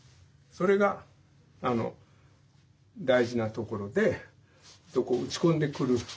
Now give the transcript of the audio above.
それが大事なところで打ち込んでくる。